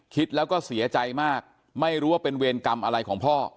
คิดแล้วก็เสียใจมากไม่รู้ว่าเป็นเวรกรรมอะไรของพ่อ